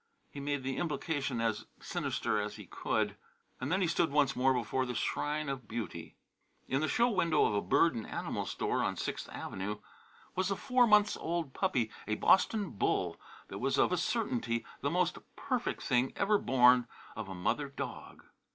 He made the implication as sinister as he could. And then he stood once more before the shrine of Beauty. In the show window of a bird and animal store on Sixth Avenue was a four months old puppy, a "Boston bull," that was, of a certainty, the most perfect thing ever born of a mother dog.